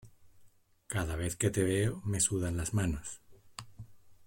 Cada vez que te veo me sudan las manos.